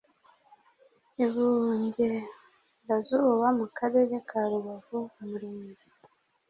ibungerazuba mu karere ka rubavu umurenge